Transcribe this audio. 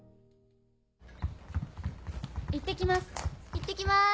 いってきます。